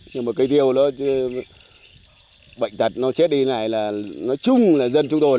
nhưng mà cây tiêu nó chết đi này là nói chung là dân chúng tôi